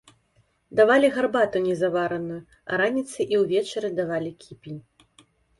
Давалі гарбату незавараную, а раніцай і ўвечары давалі кіпень.